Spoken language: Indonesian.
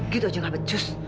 gitu aja gak becus